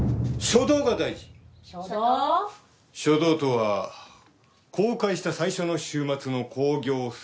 初動とは公開した最初の週末の興行成績。